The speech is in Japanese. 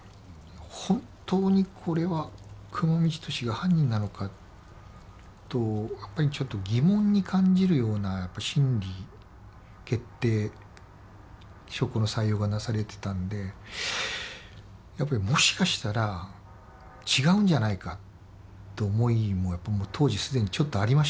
本当にこれは久間三千年が犯人なのかとちょっと疑問に感じるような審理決定証拠の採用がなされてたんでやっぱりもしかしたら違うんじゃないかって思いも当時すでにちょっとありましたんでね。